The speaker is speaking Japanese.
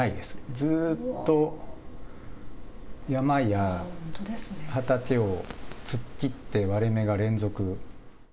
ずーっと山や畑を突っ切って、割れ目が連続。